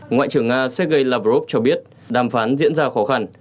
ngoại trưởng nga sergei lavrov cho biết đàm phán diễn ra khó khăn